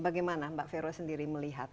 bagaimana mbak vero sendiri melihat